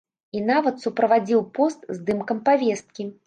І нават суправадзіў пост здымкам павесткі.